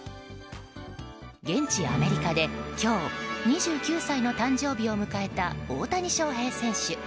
現地アメリカで今日、２９歳の誕生日を迎えた大谷翔平選手。